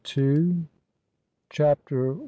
CHAPTER I.